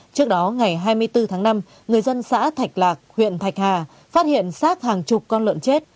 trước đó ngày hai mươi bốn tháng năm người dân xã thạch lạc huyện thạch hà phát hiện sát hàng chục con lợn chết